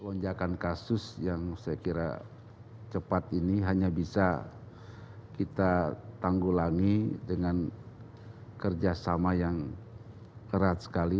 lonjakan kasus yang saya kira cepat ini hanya bisa kita tanggulangi dengan kerjasama yang erat sekali